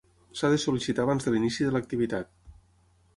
S'ha de sol·licitar abans de l'inici de l'activitat.